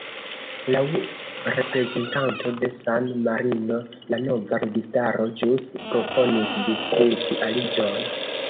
Laŭ reprezentanto de San-Marino, la nova registaro ĵus proponis diskuti aliĝon.